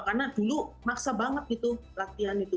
karena dulu maksa banget gitu latihan itu